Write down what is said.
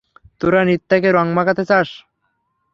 তোরা নিত্যাকে রং মাখাতে চাস?